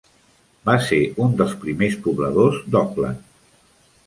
Va ser un dels primers pobladors d'Auckland.